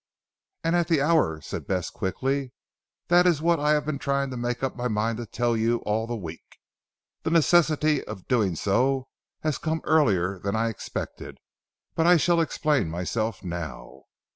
"And at the hour," said Bess quickly. "This is what I have been trying to make up my mind to tell you all the week. The necessity of doing so has come earlier than I expected, but I shall explain myself now."